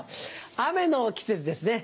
雨の季節ですね。